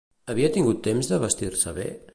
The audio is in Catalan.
Havia tingut temps de vestir-se bé?